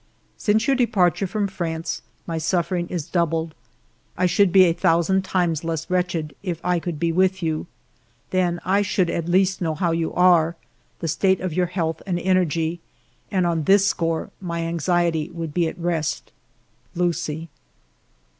..." Since your departure from France, my suf fering is doubled. I should be a thousand times less wretched if I could be with you. Then I should at least know how you are, the state of your health and energy, and on this score my anxiety would be at rest. Lucie."